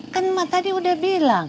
kan mah tadi udah bilang